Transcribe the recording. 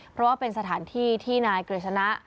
เพราะว่าเป็นสถานที่ที่นายกฤษณะ